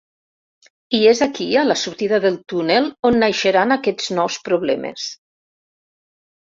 I és aquí, a la sortida del túnel, on naixeran aquests nous problemes.